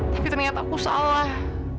tapi ternyata aku salah